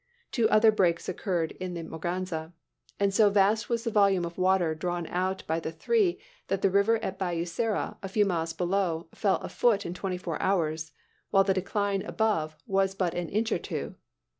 Two other breaks occurred in the Morganza; and so vast was the volume of water drawn out by the three that the river at Bayou Sara, a few miles below, fell a foot in twenty four hours, while the decline above was but an inch or two.